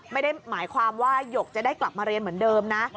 ไม่ได้หมายความว่าหยกจะได้กลับมาเรียนเหมือนเดิมนะ